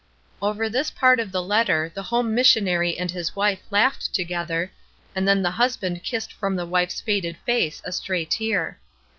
Over this part of the letter the home mission ary and his wife laughed together, and then the husband kissed from his wife's faded face a stray tear.